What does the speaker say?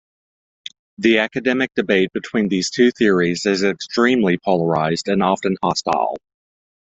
The academic debate between these two theories is extremely polarized and often hostile.